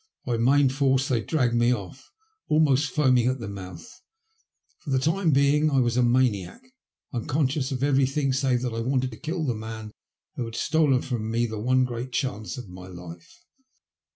By main force they dragged me off, almost foaming at the mouth. For the time being I was a maniac, un conscious of everything save that I wanted to kill the man who had stolen from me the one great chance of my life.